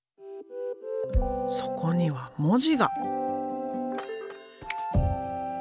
そこには文字が。